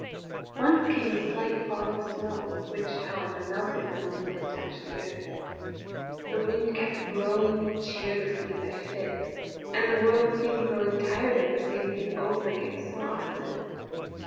Once came a slight fall of snow, which, however, melted the moment it touched the earth. The wind kept blowing cheerlessly by fits, and the world seemed growing tired of the same thing over again so often.